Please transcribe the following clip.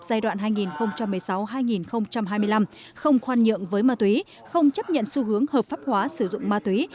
giai đoạn hai nghìn một mươi sáu hai nghìn hai mươi năm không khoan nhượng với ma túy không chấp nhận xu hướng hợp pháp hóa sử dụng ma túy